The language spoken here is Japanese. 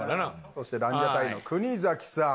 そしてランジャタイの国崎さん。